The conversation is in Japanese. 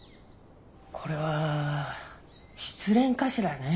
これは失恋かしらね。